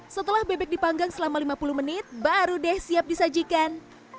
setelah bebek dipanggang selama lima puluh menit baru deh siap disajikan